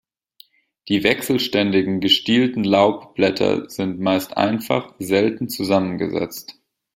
Die wechselständigen, gestielten Laubblätter sind meist einfach, selten zusammengesetzt.